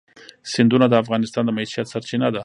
سیندونه د افغانانو د معیشت سرچینه ده.